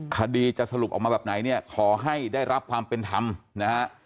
คดีจะสรุปออกมาแบบไหนเนี่ยขอให้ได้รับความเป็นธรรมนะฮะ